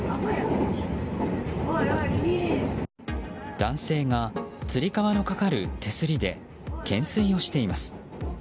男性が、つり革のかかる手すりで懸垂をしています。